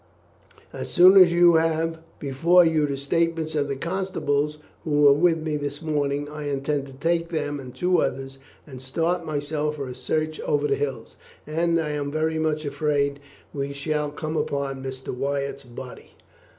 As soon as you have before you the statements of the constables who were with me this morning, I intend to take them and two others and start myself for a search over the hills, and I am very much afraid that we shall come upon Mr. Wyatt's body."